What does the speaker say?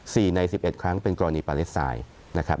ในสิบเอ็ดครั้งเป็นกรณีปาเลสไตน์นะครับ